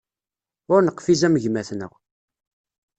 Ur neqfiz am gma-tneɣ.